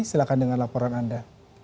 silahkan dengan laporan anda